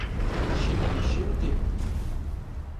Şimdi, şimdi!